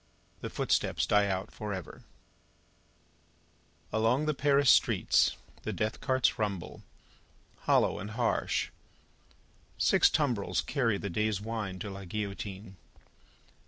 The Footsteps Die Out For Ever Along the Paris streets, the death carts rumble, hollow and harsh. Six tumbrils carry the day's wine to La Guillotine.